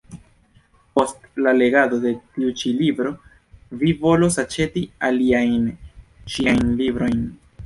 Post la legado de tiu ĉi libro, vi volos aĉeti aliajn ŝiajn librojn.